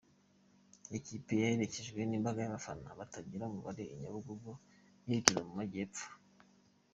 Iyi kipe yaherekejwe n’imbaga y’abafana batagira umubare I Nyabugogo yerekeza mu majyepfo.